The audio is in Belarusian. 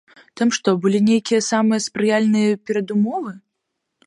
Там што, былі нейкія самыя спрыяльныя перадумовы?